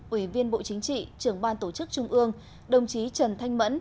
ủy viên bộ chính trị trưởng ban tổ chức trung ương đồng chí trần thanh mẫn